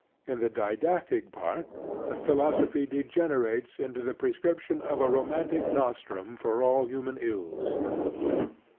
In the didactic part the philosophy degenerates into the prescription of a romantic nostrum for all human ills.